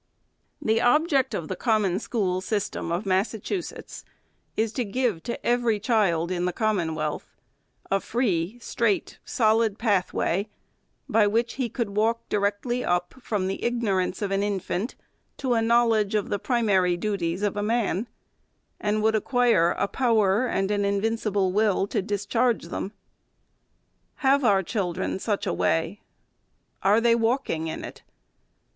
The object of the Common School system of Massa chusetts was to give to every child in the Commonwealth a free, straight, solid pathway, by which he could walk directly up from the ignorance of an infant to a knowl 388 THE SECRETARY'S edge of the primary duties of a man ; and would acquire a power and an invincible will to discharge them. Have our children such a way ? Are they walking in it